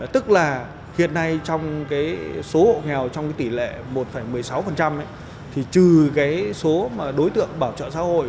tức là hiện nay trong cái số hộ nghèo trong cái tỷ lệ một một mươi sáu thì trừ cái số mà đối tượng bảo trợ xã hội